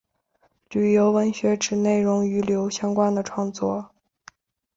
旅游文学指内容与旅游相关的创作。